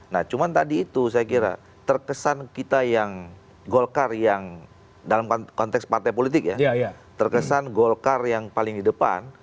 nah cuma tadi itu saya kira terkesan kita yang golkar yang dalam konteks partai politik ya terkesan golkar yang paling di depan